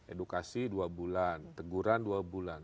edukasi dua bulan teguran dua bulan